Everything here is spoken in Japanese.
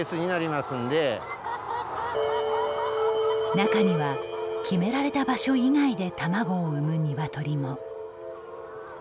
中には決められた場所以外で卵を産む鶏も。